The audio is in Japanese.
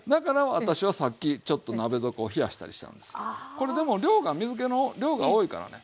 これでも量が水けの量が多いからね。